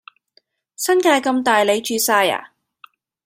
新界咁大你住曬呀！